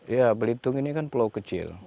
ya belitung ini kan pulau kecil